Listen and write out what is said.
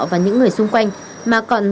và những người xung quanh mà còn